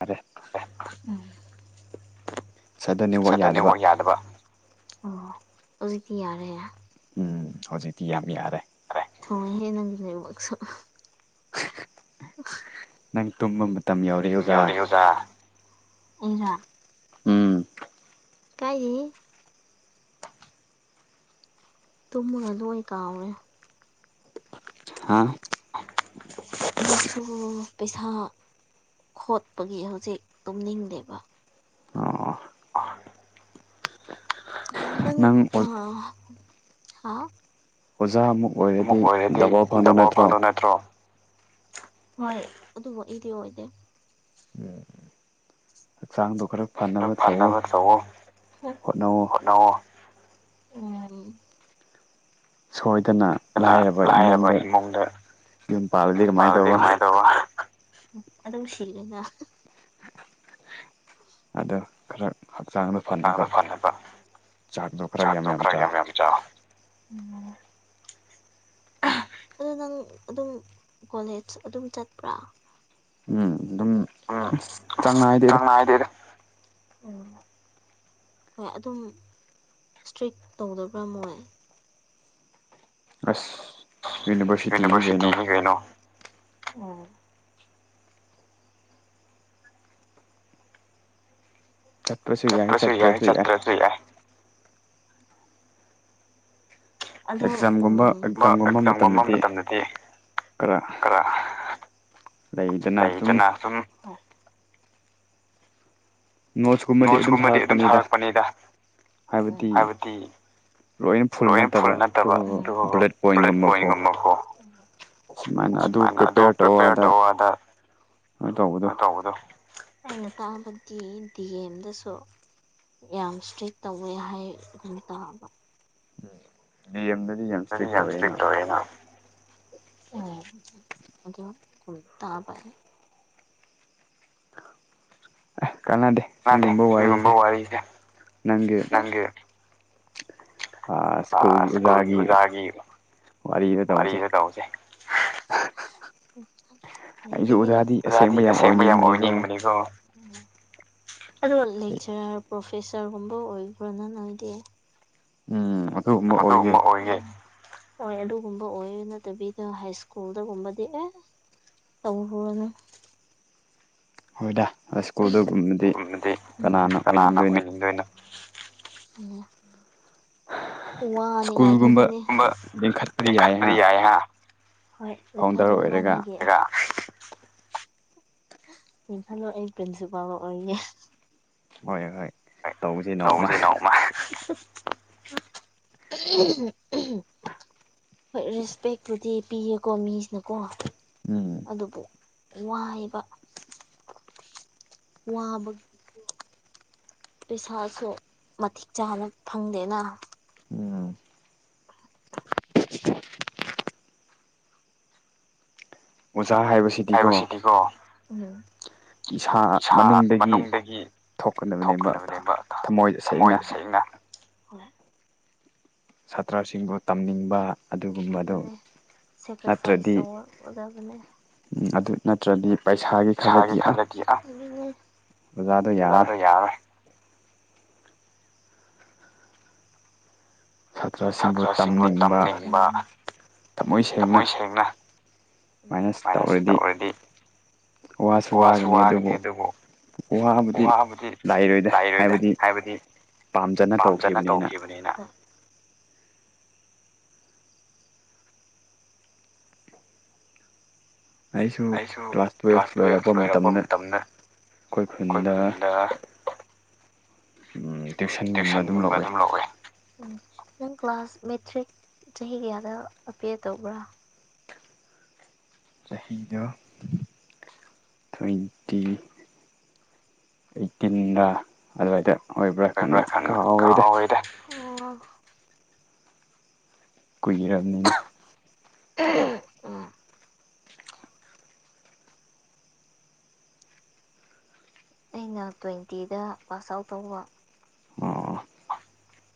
ꯑꯔꯦ ꯁꯗ ꯅꯋꯥꯛ ꯌꯥꯗꯕ ꯑꯣ ꯑꯣꯖꯤꯗꯤ ꯌꯥꯔꯦ ꯎꯝ ꯍꯧꯖꯤꯛꯇꯤ ꯌꯥꯝ ꯌꯥꯔꯦ ꯊ ꯍꯦ ꯅꯪꯒꯗ ꯋꯥꯛꯁ ꯅꯪ ꯇꯨꯝ ꯃ ꯃꯇꯝꯝ ꯌꯥ ꯌꯎ ꯌꯎꯔꯤ ꯌꯗꯖ ꯎꯝ ꯀꯥꯏ ꯇꯨꯝꯃꯒ ꯂꯣꯏ ꯀꯥꯎꯔꯦ ꯁꯨ ꯄꯩꯁꯥ ꯈꯣꯠꯄꯒꯤ ꯍꯧꯖꯤꯛ ꯇꯨꯝꯅꯤꯡꯗꯦꯕ ꯅ ꯑ ꯍꯥ ꯑꯣꯖꯥ ꯑꯃꯨꯛ ꯑꯃꯨꯛ ꯑꯣꯏꯔꯗꯤ ꯗꯕꯥꯎ ꯀꯥꯟꯗꯣ ꯅꯠꯇ꯭ꯔꯣ ꯍꯣꯏ ꯑꯗꯨꯕꯨ ꯑꯩꯗꯤ ꯑꯣꯏꯗꯦ ꯍꯛꯆꯥꯡꯗꯣ ꯈꯔ ꯈꯔ ꯐꯅꯕ ꯇꯧꯋꯣ ꯍꯣꯠꯅꯋ ꯁꯣꯏꯗꯅ ꯐꯖꯅ ꯂꯥꯏꯔꯕ ꯏꯃꯨꯡꯗ ꯌꯨꯝ ꯄꯥꯂꯗꯤ ꯀꯃꯥꯏꯅ ꯇꯧꯕ ꯑꯗ ꯁꯦꯔꯗ [unintelligible] ꯍꯛꯆꯥꯡꯗ ꯐꯅꯕ ꯆꯥꯛꯗꯣ ꯈꯔ ꯌꯥꯝ ꯌꯥꯝ ꯆꯥꯎꯋꯤ ꯆꯥ ꯑꯗꯨ ꯅꯪ ꯑꯗꯨꯝ ꯀꯣꯂꯦꯖ ꯑꯗꯨꯝ ꯆꯠꯄ꯭ꯔꯥ ꯎꯝ ꯑꯗꯨꯝ ꯑꯁ ꯆꯥꯡ ꯉꯥꯏꯗꯦꯗ ꯑꯗꯦꯗꯦ ꯎꯝ ꯍꯣꯏ ꯑꯗꯨꯝ ꯏꯁꯇ꯭ꯔꯤꯛ ꯇꯧꯗꯕ꯭ꯔꯥ ꯃꯣꯏ ꯌꯨꯅꯤꯚꯔꯁꯤꯇꯤꯅꯤ ꯀꯩꯅꯣ ꯆꯠꯄꯁꯨ ꯌꯥꯏ ꯆꯠꯇ꯭ꯔꯁꯨ ꯌꯥꯏ ꯑꯦꯛꯖꯥꯝꯒꯨꯝꯕ ꯑꯦꯛꯖꯥꯝꯒꯨꯝꯕ ꯃꯇꯝꯗꯗꯤ ꯈꯔ ꯂꯩꯗꯅ ꯁꯨꯝ ꯎ ꯅꯣꯠꯁꯀꯨꯝꯕꯗꯤ ꯑꯗꯨꯝ ꯁꯥꯔꯛꯄꯅꯤꯗ ꯍꯥꯏꯕꯗꯤ ꯂꯣꯏꯅ ꯐꯨꯜ ꯅꯠꯇꯕ ꯑꯗꯨ ꯕꯨꯂꯦꯠ ꯄꯣꯏꯟꯒꯨꯝꯕꯀꯣ ꯁꯨꯃꯥꯏꯅ ꯑꯗꯨ ꯄ꯭ꯔꯤꯄꯦꯌꯔ ꯇꯧꯔꯗꯩꯅ ꯇꯧꯕꯗꯣ ꯑꯩꯅ ꯇꯥꯕꯗꯤ ꯗꯤ ꯑꯦꯝꯗꯁꯨ ꯌꯥꯝ ꯏꯁꯇ꯭ꯔꯤꯛ ꯇꯧꯋꯦ ꯍꯥꯏ ꯑꯗꯨꯝ ꯇꯥꯕ ꯑꯦꯝꯗꯗꯤ ꯌꯦꯡ ꯝꯁꯇꯤꯛ ꯇꯣꯔꯅꯥ ꯎ ꯇꯥ ꯄꯥꯏ ꯀꯥꯟꯅꯗꯦ ꯁꯤꯒꯨꯝꯕ ꯋꯥꯔꯤꯁꯦ ꯅꯪꯒꯤ ꯦ ꯁ꯭ꯀꯨꯜꯒꯤ ꯑꯣꯖꯥꯒꯤ ꯋꯥꯔꯤꯗ ꯇꯧꯁꯦ ꯎ ꯂꯩꯇꯦꯍ ꯑꯣꯖꯥꯗꯤ ꯑꯁꯦꯡꯕ ꯌꯥꯝ ꯑꯣꯏꯅꯤꯡꯕꯅꯤꯀꯣ ꯎ ꯑꯗꯣ ꯂꯦꯛꯆꯔꯔ ꯄ꯭ꯔꯣꯐꯦꯁꯔꯒꯨꯝꯕ ꯑꯣꯏꯕ꯭ꯔꯣꯅ ꯅꯣꯏꯗꯤ ꯎꯝ ꯑꯗꯨꯒꯨꯝꯕ ꯑꯣꯏꯌꯦꯦ ꯍꯣꯏ ꯑꯗꯨꯒꯨꯝꯕ ꯑꯣꯏ ꯅꯠꯇꯕꯤꯗ ꯍꯥꯏ ꯁ꯭ꯀꯨꯜꯗꯒꯨꯝꯕꯗꯤ ꯑꯦ ꯑ ꯍ ꯑꯗꯨ ꯍꯣꯏꯗ ꯁ꯭ꯀꯨꯜꯗꯨꯒꯨꯝꯕꯗꯤ ꯀꯅꯥꯅ ꯑꯣꯏꯅꯤꯡꯗꯣꯏꯅꯣ ꯑꯣꯝ ꯋꯥꯅꯤꯡꯉꯥꯏ ꯈꯛꯇꯅꯤ ꯂꯡꯈꯠꯄꯗꯤ ꯌꯥꯏ ꯍꯣꯏ ꯑꯗꯨꯝ ꯊꯥꯗꯣꯛꯏꯕꯥꯅꯤꯒꯤ ꯏꯝꯐꯥꯜꯂꯣ ꯑꯩ ꯄ꯭ꯔꯤꯟꯁꯤꯄꯥꯕ ꯑꯣꯏꯌꯦ ꯍꯣꯏ ꯍꯣꯏ ꯇꯧꯁꯤ ꯅꯣ ꯃꯥ ꯍꯣꯏ ꯔꯦꯁꯄꯦꯛꯇꯨꯗꯤ ꯄꯤꯌꯦꯀꯣ ꯃꯤꯁꯤꯅꯀꯣ ꯑꯗꯨꯕꯨ ꯋꯥꯏꯕ ꯋꯥ ꯄꯩꯁꯥꯁꯨ ꯃꯇꯤꯛ ꯆꯥꯅ ꯐꯪꯗꯦꯅ ꯎꯝ ꯑꯣꯖꯥ ꯍꯥꯏꯕꯁꯤ ꯍꯥꯏꯕ ꯁꯤꯇꯤꯀꯣ ꯏꯁꯥ ꯃꯅꯨꯡꯗꯒꯤ ꯊꯣꯛꯀꯗꯕꯅꯦꯕ ꯊꯃꯣꯏꯗ ꯁꯦꯡꯅ ꯁꯥꯇ꯭ꯔꯁꯤꯡꯕꯨ ꯇꯝꯅꯤꯡꯕ ꯑꯗꯨꯅꯦ ꯁꯦꯀ꯭ꯔꯤꯐꯥꯏꯁ ꯇꯧꯗꯕꯅꯦ ꯎꯝ ꯑꯗꯨ ꯅꯠꯇ꯭ꯔꯗꯤ ꯄꯩꯁꯥꯒꯤ ꯈꯜꯂꯗꯤ ꯑ ꯑꯣꯖꯥꯗꯣ ꯌꯥꯔꯔꯣꯏ ꯁꯥꯇ꯭ꯔꯁꯤꯡꯕꯨ ꯇꯝꯅꯤꯡꯕ ꯊꯃꯣꯏ ꯁꯦꯡꯅ ꯎꯝ ꯕꯥꯏꯑꯁ ꯇꯧꯔꯗꯤ ꯋꯥꯁꯨ ꯋꯥꯒꯅꯤ ꯑꯗꯨꯕꯨ ꯋꯥꯕꯨꯗꯤ ꯂꯥꯏꯔꯣꯏꯗ ꯍꯥꯏꯕꯗꯤ ꯄꯥꯝꯖꯅ ꯇꯧꯈꯤꯕꯅꯤꯅ ꯑꯩꯁꯨ ꯀ꯭ꯂꯥꯁ ꯇꯨꯋꯦꯜ꯭ꯐ ꯂꯣꯏꯔꯛꯄ ꯃꯇꯝꯗ ꯑꯩꯈꯣꯏ ꯈꯨꯟꯗ ꯎꯝ ꯇ꯭ꯌꯨꯁꯟꯒꯨꯝꯕ ꯑꯗꯨꯝ ꯂꯧꯋꯦ ꯎꯝ ꯅꯪ ꯀ꯭ꯂꯥꯁ ꯃꯦꯇ꯭ꯔꯤꯛ ꯆꯍꯤ ꯀꯌꯥꯗ ꯑꯄꯤꯌ꯭ꯔ ꯇꯧꯕ꯭ꯔꯥ ꯆꯍꯤꯗꯣ ꯇ꯭ꯋꯦꯟꯇꯤ ꯑꯩꯠꯇꯤꯟꯔ ꯑꯗꯨꯋꯥꯏꯗ ꯕꯩꯕ꯭ꯔꯥꯈꯡꯗ ꯀꯥꯎꯔꯦꯗ ꯑꯣ ꯀꯨꯏꯔꯝꯅꯤꯅ ꯎꯝ ꯑꯩꯅ ꯇ꯭ꯋꯦꯟꯇꯤꯗ ꯄꯥꯁ ꯑꯥꯎ꯭ꯠ ꯇꯧꯕ [unintelligible]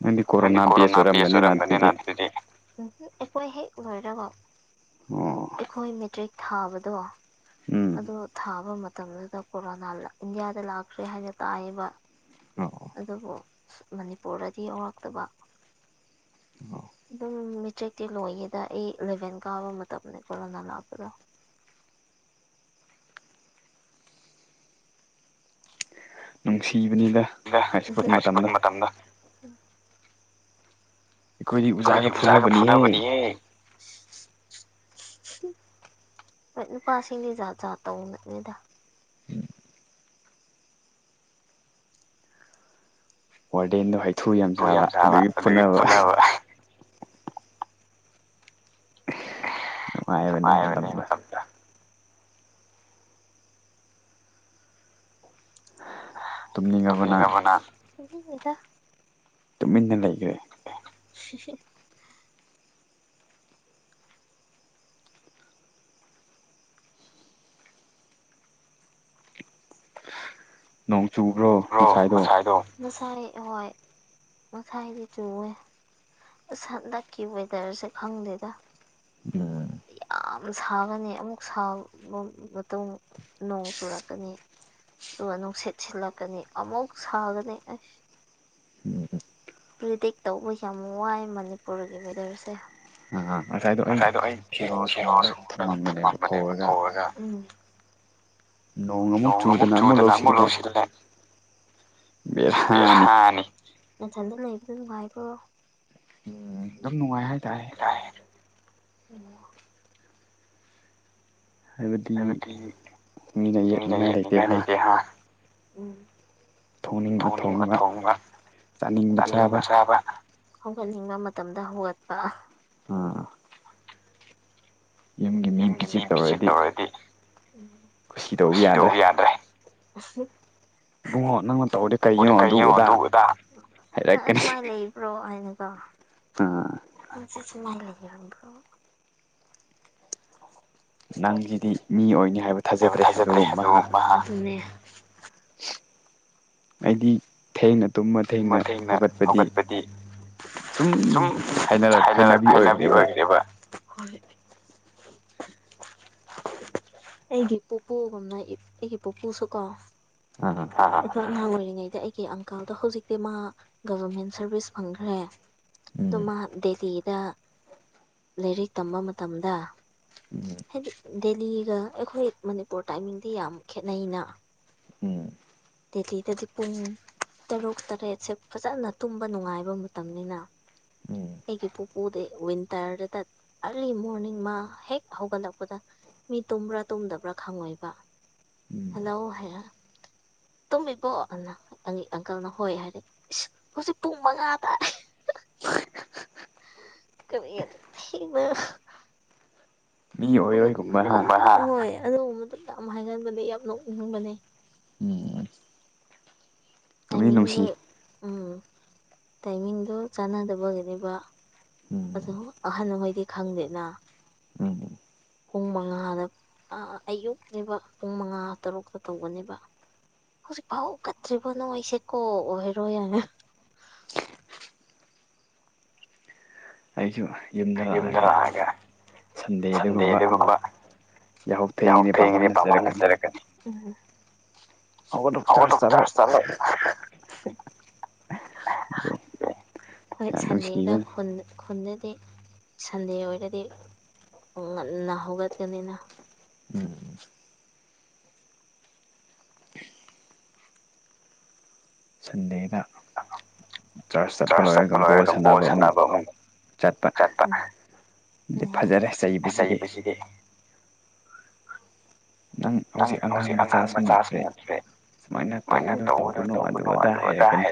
ꯅꯪꯗꯤ ꯀꯣꯔꯣꯅꯥ ꯕꯦꯁ ꯑꯣꯏꯔꯝꯒꯅꯤꯅ ꯑꯗꯨꯗꯤ ꯎꯝ ꯍꯨꯝ ꯑꯩꯈꯣꯏ ꯍꯦꯛ ꯂꯣꯏꯔꯒ ꯑꯩꯈꯣꯏ ꯃꯦꯇ꯭ꯔꯤꯛ ꯊꯥꯕꯗꯣ ꯑꯗꯨ ꯊꯥꯕ ꯃꯇꯝꯗꯨꯗ ꯀꯣꯔꯣꯅꯥ ꯂꯥ ꯏꯟꯗꯤꯌꯥꯗ ꯂꯥꯛꯈ꯭ꯔꯦ ꯍꯥꯏꯅ ꯇꯥꯏꯌꯦꯕ ꯑꯗꯨꯕꯨ ꯃꯅꯤꯄꯨꯔꯗꯗꯤ ꯌꯧꯔꯛꯇꯕ ꯑꯣ ꯑꯗꯨꯝ ꯃꯦꯇ꯭ꯔꯤꯛꯇꯤ ꯂꯣꯏꯌꯦꯗ ꯑꯩ ꯏꯜꯂꯚꯦꯟ ꯀꯥꯕ ꯃꯇꯝꯅꯦ ꯀꯣꯔꯣꯅꯥ ꯂꯥꯛꯄꯗꯣ ꯅꯨꯡꯁꯤꯕꯅꯤꯗ ꯗ ꯍꯥꯏꯁꯀꯨꯟ ꯃꯇꯝꯗꯣ ꯑꯩꯈꯣꯏꯗꯤ ꯎꯖꯥꯒ ꯐꯨꯅꯕꯅꯤꯍꯦ ꯍꯣꯏ ꯅꯨꯄꯥꯁꯤꯡꯗꯤ ꯖꯥꯠ ꯖꯥꯠ ꯇꯧꯅꯅꯤꯗꯥ ꯋꯥꯔꯗꯦꯟꯗꯣ ꯍꯩꯊꯨ ꯌꯥꯝ ꯁꯥꯕ ꯑꯗꯨꯒꯤ ꯐꯨꯅꯕ ꯅꯨꯡꯉꯥꯏꯕꯅꯦ ꯃꯇꯝꯗꯣ ꯇꯨꯝꯅꯤꯉꯕ ꯅꯪ ꯇꯨꯝꯅꯤꯡꯗꯦꯗ ꯇꯨꯃꯤꯟꯅ ꯂꯩꯒ꯭ꯔꯦ [unintelligible] ꯅꯣꯡ ꯆꯨꯕ꯭ꯔꯣ ꯑꯣ ꯉꯁꯥꯏꯗꯣ ꯉꯁꯥꯏ ꯍꯣꯏ ꯉꯁꯥꯏꯗꯤ ꯆꯨꯋꯦ ꯑꯁ ꯍꯟꯗꯛꯀꯤ ꯋꯦꯗ꯭ꯔꯁꯦ ꯈꯪꯗꯦꯗ ꯎꯝ ꯌꯥꯝ ꯁꯥꯒꯅꯤ ꯑꯃꯨꯛ ꯁꯥꯕ ꯃꯇꯨꯡ ꯅꯣꯡ ꯆꯨꯔꯛꯀꯅꯤ ꯑꯗꯨꯒ ꯅꯨꯡꯁꯤꯠ ꯁꯤꯠꯂꯛ ꯀꯅꯤ ꯑꯃꯨꯛ ꯁꯥꯒꯅꯤ ꯑꯁ ꯄ꯭ꯔꯤꯗꯤꯛ ꯇꯧꯕ ꯌꯥꯝ ꯋꯥꯏ ꯃꯅꯤꯄꯨꯔꯒꯤ ꯋꯦꯗ꯭ꯔꯁꯦ ꯉꯁꯥꯏꯗꯣ ꯑꯩ ꯐꯤꯔꯣꯜ ꯁꯨꯔꯒ ꯊꯝꯃꯝꯕꯅꯦꯕ ꯐꯧꯔꯒ ꯅꯣꯡ ꯑꯃꯨꯛ ꯆꯨꯗꯅ ꯑꯃꯨꯛ ꯂꯧꯁꯤꯜꯂꯦ ꯕꯦꯍꯥꯅꯤ ꯅꯊꯟꯗ ꯂꯩꯕꯗꯣ ꯅꯨꯡꯉꯥꯏꯕ꯭ꯔꯣ ꯑꯗꯨꯝ ꯅꯨꯡꯉꯥꯏ ꯍꯥꯏꯇꯥꯔꯦ ꯇꯥꯏ ꯑꯣ ꯍꯥꯏꯕꯗꯤ ꯃꯤꯅ ꯌꯦꯠꯅꯤꯡꯉꯥꯏ ꯂꯩꯇꯦ ꯍꯥꯥ ꯊꯣꯡꯅꯤꯡꯕ ꯊꯣꯡꯕ ꯆꯥꯅꯤꯡꯕ ꯆꯥꯕ ꯍꯧꯒꯠꯅꯤꯡꯕ ꯃꯇꯝꯗ ꯍꯧꯒꯠꯄ ꯎꯝ ꯌꯨꯝꯒꯤ ꯃꯤ ꯕꯤꯖꯤꯠ ꯇꯧꯔꯗꯤ ꯀꯨꯁꯤ ꯇꯧꯕ ꯌꯥꯗ꯭ꯔꯦ ꯍꯣꯂꯤ ꯀꯩꯒꯤꯅꯣ ꯑꯗꯨ ꯑꯗꯥ ꯅꯪ ꯑꯗꯨꯃꯥꯏ ꯂꯩ ꯕ꯭ꯔꯣ ꯍꯥꯏꯅꯀꯣ ꯍꯧꯖꯤꯛ ꯁꯨꯃꯥꯏ ꯂꯩꯔꯝꯕ꯭ꯔꯣ ꯅꯪꯒꯤꯗꯤ ꯃꯤ ꯑꯣꯏꯅꯤ ꯍꯥꯏꯕ ꯊꯥꯖꯗ꯭ꯔꯦ ꯑꯗꯨꯕꯨ ꯃꯍꯥꯛ [unintelligible] ꯑꯩꯗꯤ ꯊꯦꯡꯅ ꯇꯨꯝꯃ ꯊꯦꯡꯅ ꯍꯧꯒꯠꯄꯗꯤ ꯁꯨꯝ ꯍꯥꯏꯅ ꯍꯩꯅꯕꯤ ꯑꯣꯏꯈ꯭ꯔꯦꯕ [inaudible] ꯑꯩꯒꯤ ꯄꯨꯄꯨꯒꯨꯝꯅ ꯑꯩꯒꯤ ꯄꯨꯄꯨꯁꯨ ꯀꯣ ꯑꯥ ꯑꯗꯣ ꯑꯉꯥꯡ ꯑꯣꯏꯔꯤꯉꯩꯗ ꯑꯩꯒꯤ ꯑꯪꯀꯜꯗꯣ ꯍꯧꯖꯤꯛꯇꯤ ꯃꯥ ꯒꯕꯔꯃꯦꯟ ꯁꯔꯚꯤꯁ ꯐꯪꯈ꯭ꯔꯦ ꯑꯗꯨ ꯃꯥ ꯗꯦꯜꯍꯤꯗ ꯂꯥꯏꯔꯤꯛ ꯇꯝꯕ ꯃꯇꯝꯗ ꯍꯥꯏꯗꯤ ꯗꯦꯜꯂꯤꯒ ꯑꯩꯈꯣꯏ ꯃꯅꯤꯄꯨꯔ ꯇꯥꯏꯃꯤꯡꯗꯤ ꯌꯥꯝ ꯈꯦꯠꯅꯩꯩꯅ ꯎꯝ ꯗ‌ꯦꯜꯂꯤ ꯗꯗꯤ ꯄꯨꯡ ꯇꯔꯨꯛ ꯇꯔꯦꯠꯁꯦ ꯐꯖꯅ ꯇꯨꯝꯕ ꯅꯨꯡꯉꯥꯏꯕ ꯃꯇꯝꯅꯦꯅ ꯑꯩꯒꯤ ꯄꯨꯨꯄꯨꯗꯤ ꯋꯤꯟꯇꯔꯇꯗ ꯑꯔꯂꯤ ꯃꯣꯔꯅꯤꯡ ꯃꯥ ꯍꯦꯛ ꯍꯧꯒꯠꯂꯛꯄꯗ ꯃꯤ ꯇꯨꯝꯕ꯭ꯔꯥ ꯇꯨꯝꯗꯕ꯭ꯔꯥ ꯈꯪꯉꯣꯏꯕ ꯍꯜꯂꯣ ꯍꯥꯏꯔ ꯇꯨꯝꯃꯤꯕꯣ [unintelligible] ꯑꯪꯀꯜꯅ ꯍꯣꯏ ꯍꯥꯏꯔꯦ ꯏꯁ ꯍꯧꯖꯤꯛ ꯄꯨꯡ ꯃꯉꯥ ꯇꯥꯔꯦ ꯀꯔꯤ ꯑꯗꯨꯛ ꯊ‌ꯦꯡꯅ [inaudible] ꯑꯗꯨꯒꯨꯝꯕꯗꯨ ꯌꯥꯝ ꯍꯥꯏꯒꯟꯕꯅꯦ ꯌꯥꯝ ꯅꯣꯛꯅꯤꯡꯕꯅꯦ ꯇꯥꯏꯃꯤꯡꯗꯣ ꯎꯝ ꯇꯥꯏꯃꯤꯡꯗꯨ ꯆꯥꯟꯅꯗꯕꯒꯤꯅꯦꯕꯥ ꯑꯗꯣ ꯑꯍꯟ ꯈ‌ꯣꯏꯗꯤ ꯈꯪꯗꯦꯅ ꯎꯝ ꯄꯨꯡ ꯃꯉꯥꯗ ꯑ ꯑꯌꯨꯛꯅꯦꯕ ꯄꯨꯡ ꯃꯉꯥ ꯇꯔꯨꯛꯇ ꯇꯧꯕꯅꯦꯕꯥ ꯍꯧꯖꯤꯛꯐꯥꯎ ꯍꯧꯒꯠꯇ꯭ꯔꯤꯕ‌ꯣ ꯅ‌ꯣꯏꯁꯦꯀꯣ ꯑꯣꯏꯔ‌ꯣꯏ ꯍꯥꯏꯅ ꯑꯩꯁꯨ ꯌꯨꯝꯗ ꯂꯛꯑꯒ ꯁꯟꯗꯦꯗ ꯒꯨꯝꯕ ꯌꯥꯍꯧ ꯊ‌ꯦꯡꯉꯤꯅ ꯕꯕꯥꯅ ꯆꯩꯔꯛꯀꯅꯤ ꯍꯧꯒꯠꯂꯣ ꯆꯔꯁ ꯆꯠꯂꯣ ꯍꯣꯏ ꯁꯟꯗꯦꯗ ꯈꯨꯟ ꯈꯨꯟꯗꯗꯤ ꯁꯟꯗꯦ ꯑꯣꯏꯔꯗꯤ ꯉꯟꯅ ꯍꯧꯒꯠꯀꯅꯤꯅ ꯎꯝ ꯁꯟꯗꯦꯗꯥ ꯆꯔꯁ ꯆꯠꯄ ꯂꯣꯏꯔꯒ ꯕꯣꯜ ꯁꯥꯟꯅꯕ ꯑꯃꯨꯛ ꯆꯠꯄ ꯐꯖꯔꯦ ꯆꯩꯕꯁꯤꯗꯤ ꯅꯪ ꯍꯧꯖꯤꯛ ꯑꯉꯥꯡ ꯃꯆꯥꯁꯨ ꯅꯠꯇ꯭ꯔꯦ ꯁꯨꯃꯥꯏꯅ ꯇꯧꯕꯗꯣ ꯇꯧꯒꯅꯨ ꯑꯗꯨ ꯑꯗꯥ ꯍꯥꯏꯔꯛꯀꯅꯤ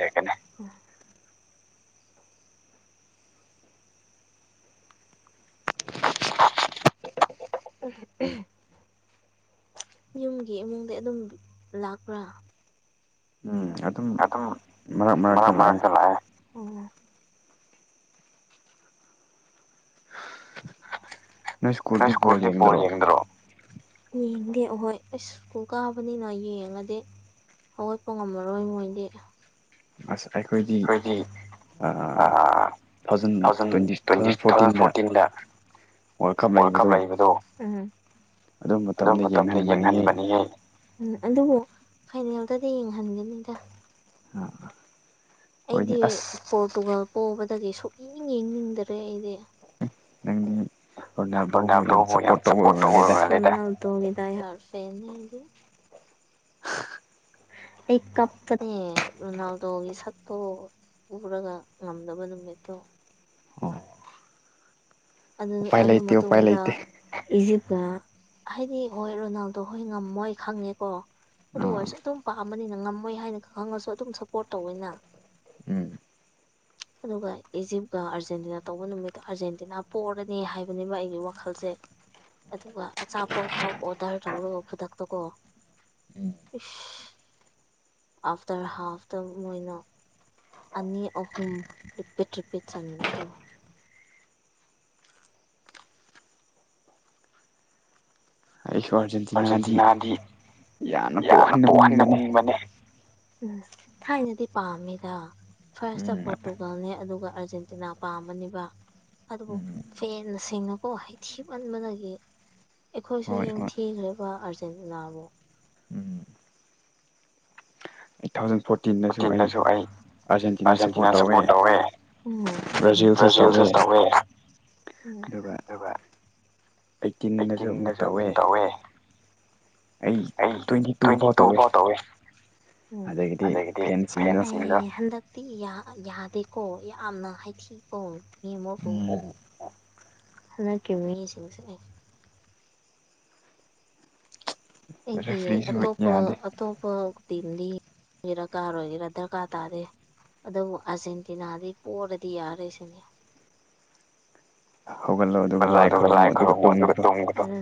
[inaudible] ꯌꯨꯝꯒꯤ ꯏꯃꯨꯡꯗꯤ ꯑꯗꯨꯝ ꯂꯥꯛꯄ꯭ꯔꯥ ꯎꯝ ꯑꯗꯨꯝ ꯑꯗꯨꯝ ꯃꯔꯛ ꯃꯔꯛꯇ ꯂꯥꯛꯑꯦ ꯑꯣ ꯅ‌ꯣꯏ ꯁ꯭ꯀꯨꯨꯜꯗꯤ ꯕ‌ꯣꯜ ꯌꯦꯡꯗ꯭ꯔꯣ ꯌꯦꯡꯗꯦ ꯍꯣꯏ ꯑꯩꯁ ꯁ꯭ꯀꯨꯜ ꯀꯥꯕꯅꯤꯅ ꯌꯦꯡꯉꯗꯤ ꯍꯧꯒꯠꯄ ꯉꯝꯃꯔꯣꯏ ꯃꯣꯏꯗꯤ ꯑꯁ ꯑꯩꯈꯣꯏꯗꯤ ꯑ ꯊꯥꯎꯖꯟ ꯇ꯭ꯋꯦꯟꯇꯤ ꯇꯨ ꯊꯥꯎꯖꯟ ꯐꯣꯔꯇꯤꯟꯗ ꯋꯥꯔꯜ ꯀꯞ ꯂꯩꯕꯗ‌ꯣ ꯑꯗꯨ ꯃꯇꯝꯗ ꯌꯦꯡꯍꯟꯕꯅꯤꯍ‌ꯦ ꯎꯝ ꯑꯗꯨꯕꯨ ꯐꯥꯏꯅ‌ꯦꯟꯗꯗꯤ ꯌꯦꯡꯍꯟꯒꯅꯤꯗ [unintelligible] ꯑꯩꯗꯤ ꯄꯣꯔꯇꯨꯒꯜ ꯄꯣꯕꯗꯒꯤ ꯁꯨꯛꯌꯦꯡ ꯌꯦꯡꯅꯤꯡꯗꯔꯦ ꯑꯩꯗꯤ ꯔꯣꯅꯥꯜꯗꯣꯕꯨ ꯌꯥꯝ ꯁꯞꯄꯣꯔꯠ ꯇꯧꯕꯔꯕ [unintelligible] ꯑꯩ ꯀꯞꯄꯅꯦ ꯂꯣꯅꯥꯜꯗꯣꯒꯤ ꯁꯥꯛꯇꯣ ꯄꯨꯔꯒ ꯉꯝꯗꯕ ꯅꯨꯃꯤꯠꯇꯣ ꯑꯗꯨ ꯑꯗꯨ ꯃꯇꯨꯡꯗ ꯏꯖꯤꯞꯀꯥ ꯍꯥꯏꯗꯤ ꯍꯣꯏ ꯔꯣꯅꯥꯜꯗꯣ ꯍꯣꯏ ꯉꯝꯃꯣꯏ ꯈꯪꯉꯦꯀꯣ ꯑꯗꯨ ꯑꯣꯏꯔꯁꯨ ꯑꯗꯨꯝ ꯄꯥꯝꯕꯅꯤꯅ ꯉꯝꯃꯣꯏ ꯍꯥꯏꯅ ꯈꯪꯉꯁꯨ ꯑꯗꯨꯝ ꯁꯞꯄꯣꯔꯠ ꯇꯧꯋꯤꯅ ꯎꯝ ꯑꯗꯨꯒ ꯏꯖꯤꯞꯀꯥ ꯑꯥꯔꯖꯦꯟꯇꯤꯅꯥ ꯇꯧꯕ ꯅꯨꯃꯤꯠꯇꯣ ꯑꯥꯔꯖꯦꯟꯇꯤꯅꯥ ꯄꯣꯔꯅꯤ ꯍꯥꯏꯕꯅꯦꯕ ꯑꯩꯒꯤ ꯋꯥꯈꯜꯁꯦ ꯑꯗꯨꯒ ꯑꯆꯥꯄꯣꯠ ꯐꯥꯎ ꯑꯣꯗꯔ ꯇꯧꯔ ꯈꯨꯗꯛꯇ ꯀꯣ ꯑꯁ ꯑꯐꯇꯔ ꯍꯥꯐ ꯗ ꯃꯣꯏꯅ ꯑꯅꯤ ꯑꯍꯨꯝ ꯔꯤꯄꯤꯠ ꯔꯤꯄꯤꯠ ꯆꯟꯕꯗꯣ ꯑꯥꯔꯖꯦꯟꯇꯤꯅꯥꯗꯤ ꯌꯥꯝꯅ ꯄꯣꯍꯟ ꯅꯤꯡꯕꯅꯦ ꯎꯝ ꯊꯥꯏꯅꯗꯤ ꯄꯥꯝꯃꯤꯗ ꯐꯥꯔꯁꯇ ꯄꯣꯔꯇꯨꯒꯜꯅꯦ ꯑꯗꯨꯒ ꯑꯥꯔꯖꯦꯟꯇꯤꯅꯥ ꯄꯥꯝꯅꯦꯕ ꯑꯗꯨꯕꯨ ꯐꯦꯟ ꯁꯤꯡꯅꯀꯣ ꯍꯥꯏꯊꯤꯃꯟꯕꯗꯒꯤ ꯑꯩꯈꯣꯏꯁꯨ ꯌꯦꯡ ꯊꯤꯈ꯭ꯔꯕ ꯑꯥꯔꯖꯦꯟꯇꯤꯅꯥꯕꯨ ꯑꯗꯨ ꯐꯣꯔꯇꯤꯟꯗꯁꯨ ꯑꯩ ꯑꯥꯔꯖꯦꯟꯇꯤꯅꯥ ꯁꯞꯄꯣꯔꯠ ꯇꯧꯋꯦ ꯕ꯭ꯔꯖꯤꯜꯁꯨ ꯇꯧꯋꯦ ꯑꯗꯨꯒ ꯑꯩꯠꯇꯤꯟꯗꯁꯨ ꯑꯃꯨꯛ ꯇꯧꯋꯦ ꯑꯩ ꯇ꯭ꯋꯦꯟꯇꯤ ꯇꯨ ꯐꯥꯎ ꯇꯧꯋꯦ ꯑꯗꯒꯤꯗꯤ ꯐꯦꯟꯁꯤꯡꯗꯣ ꯗꯤ ꯌꯥꯗꯦꯀꯣ ꯌꯥꯝꯅ ꯍꯥꯏꯊꯤꯀꯣ ꯃꯤ [unintelligible] ꯍꯟꯗꯛꯀꯤ ꯃꯤꯁꯤꯡꯁꯤꯗꯤ ꯑꯩꯗꯤ ꯑꯇꯣꯞꯄ ꯑꯥ ꯑꯇꯣꯞꯄ ꯇꯤꯝꯗꯤ ꯀꯥꯒꯦꯔ ꯀꯥꯔꯣꯏꯔ ꯙꯔꯀꯥ ꯇꯥꯗꯦ ꯑꯗꯨꯕꯨ ꯑꯥꯔꯖꯦꯟꯇꯤꯅꯥꯗꯤ ꯄꯣꯔꯗꯤ ꯌꯥꯔꯦꯁꯤꯅꯤ [unintelligible] ꯂꯣ ꯑꯗꯨꯒ ꯂꯥꯏ ꯈꯨꯔꯨꯝꯃꯣ ꯑꯗꯨꯒ ꯇꯨꯝ [inaudible]